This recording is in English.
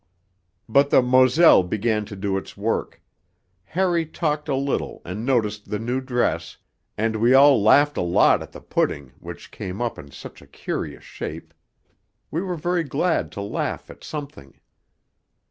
But the Moselle began to do its work: Harry talked a little and noticed the new dress, and we all laughed a lot at the pudding, which came up in such a curious shape.... We were very glad to laugh at something.